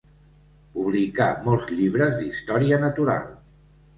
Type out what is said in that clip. Publicà molts llibres d’història natural.